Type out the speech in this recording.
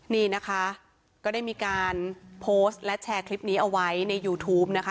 นี่นะคะก็ได้มีการโพสต์และแชร์คลิปนี้เอาไว้ในยูทูปนะคะ